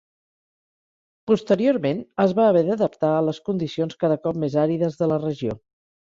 Posteriorment, es va haver d'adaptar a les condicions cada cop més àrides de la regió.